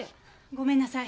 ごめんなさい。